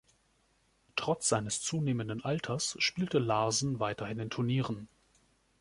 Trotz seines zunehmenden Alters spielte Larsen weiterhin in Turnieren.